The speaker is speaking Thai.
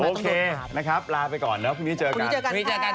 โอเคนะครับลาไปก่อนเดี๋ยวพรุ่งนี้เจอกัน